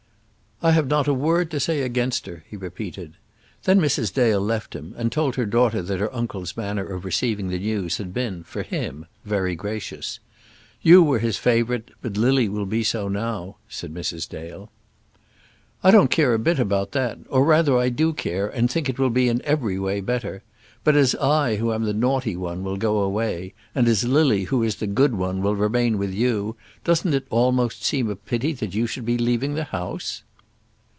"I have not a word to say against her," he repeated. Then Mrs. Dale left him, and told her daughter that her uncle's manner of receiving the news had been, for him, very gracious. "You were his favourite, but Lily will be so now," said Mrs. Dale. "I don't care a bit about that; or, rather, I do care, and think it will be in every way better. But as I, who am the naughty one, will go away, and as Lily, who is the good one, will remain with you, doesn't it almost seem a pity that you should be leaving the house?"